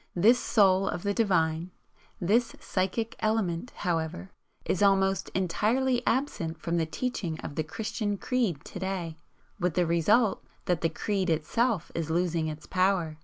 This soul of the Divine this Psychic element, however, is almost entirely absent from the teaching of the Christian creed to day, with the result that the creed itself is losing its power.